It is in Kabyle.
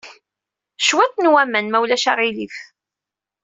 Cwiṭ n waman, ma ulac aɣilif.